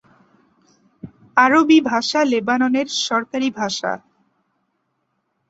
আরবি ভাষা লেবাননের সরকারি ভাষা।